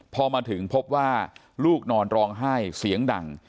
พอมาถึงพบว่าลูกนอนร้องไห้เสียงดัง